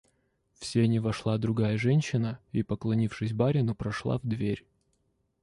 В сени вошла другая женщина и, поклонившись барину, прошла в дверь.